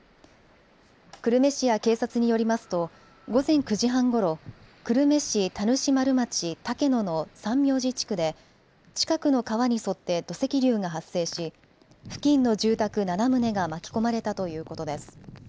久留米市や警察によりますと午前９時半ごろ久留米市田主丸町竹野の三明寺地区で近くの川に沿って土石流が発生し付近の住宅７棟が巻き込まれたということです。